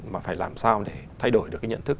mà phải làm sao để thay đổi được cái nhận thức